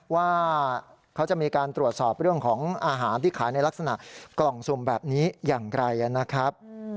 ว่าเขาจะมีการตรวจสอบเรื่องของอาหารที่ขายในลักษณะกล่องสุ่มแบบนี้อย่างไรนะครับ